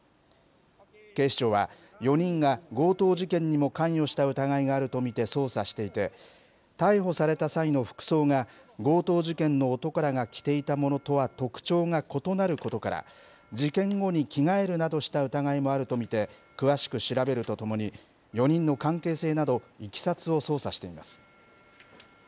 警視庁は、４人が強盗事件にも関与した疑いがあると見て捜査していて、逮捕された際の服装が、強盗事件の男らが着ていたものとは特徴が異なることから、事件後に着替えるなどした疑いもあると見て詳しく調べるとともに、４人の関係性などいきさつを捜査しています。